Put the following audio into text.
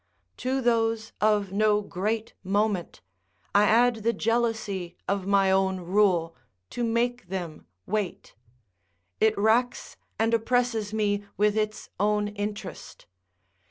To those of no great moment, I add the jealousy of my own rule, to make them weight; it wracks and oppresses me with its own interest.